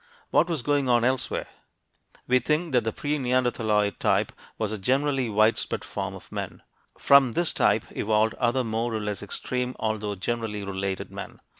What was going on elsewhere? We think that the pre neanderthaloid type was a generally widespread form of men. From this type evolved other more or less extreme although generally related men.